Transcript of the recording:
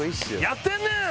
やってんねん！